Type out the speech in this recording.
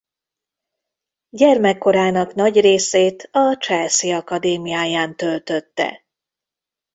Gyermekkorának nagy részét a Chelsea akadémiáján töltötte.